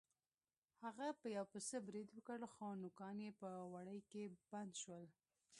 هغه په یو پسه برید وکړ خو نوکان یې په وړۍ کې بند شول.